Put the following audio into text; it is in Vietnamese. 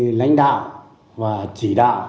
thì cái lãnh đạo và chỉ đạo